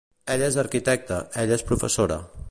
Ell és arquitecte, ella és professora.